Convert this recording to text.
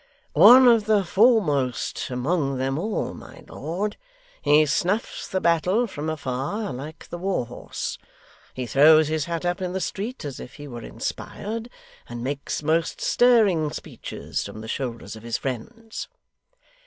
'One of the foremost among them all, my lord. He snuffs the battle from afar, like the war horse. He throws his hat up in the street as if he were inspired, and makes most stirring speeches from the shoulders of his friends.